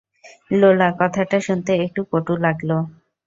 লোলা, কথাটা শুনতে একটু কটু লাগলো।